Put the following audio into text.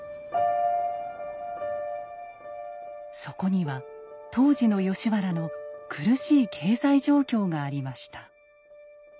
そこには当時の吉原の苦しい経済状況がありました。